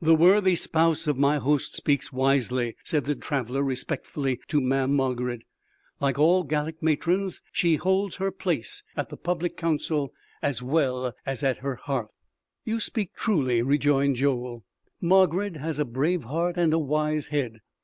"The worthy spouse of my host speaks wisely," said the traveler respectfully to Mamm' Margarid; "like all Gallic matrons she holds her place at the public council as well as at her hearth." "You speak truly," rejoined Joel, "Margarid has a brave heart and a wise head.